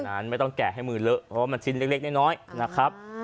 ประมาณนั้นไม่ต้องแกะให้มือเลอะเพราะว่ามันชิ้นเล็กเล็กเล็กน้อยนะครับ